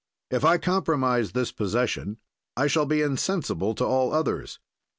If I compromise this possession I shall be insensible to all others.